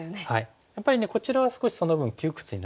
やっぱりこちらは少しその分窮屈になりますよね。